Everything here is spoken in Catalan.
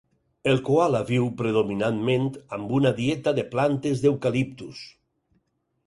El coala viu predominantment amb una dieta de plantes d'eucaliptus.